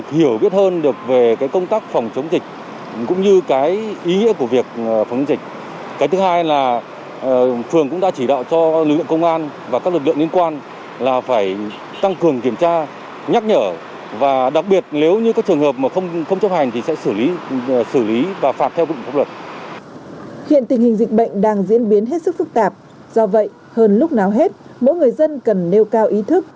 hiện tình hình dịch bệnh đang diễn biến hết sức phức tạp do vậy hơn lúc nào hết mỗi người dân cần nêu cao ý thức